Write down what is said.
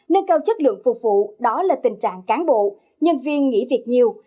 nâng cao chất lượng phục vụ đó là tình trạng cán bộ nhân viên nghỉ việc nhiều